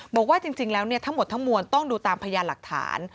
บอกว่าจริงแล้วทั้งหมดทั้งมวลต้องดูตามพยานหลักฐาน